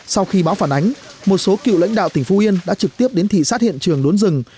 sau khi báo phản ánh một số cựu lãnh đạo tỉnh phú yên đã trực tiếp đến thị xát hiện trường đốn rừng